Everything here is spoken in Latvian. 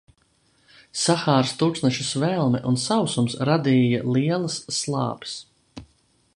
Sahāras tuksneša svelme un sausums radīja lielas slāpes.